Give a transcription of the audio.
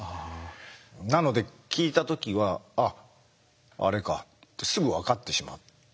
なので聞いた時は「あっあれか」ってすぐ分かってしまったですよね。